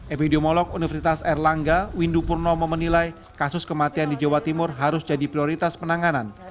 epidemiolog universitas erlangga windu purnomo menilai kasus kematian di jawa timur harus jadi prioritas penanganan